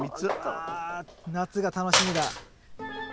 わ夏が楽しみだ。